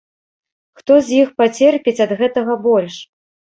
Хто з іх пацерпіць ад гэтага больш?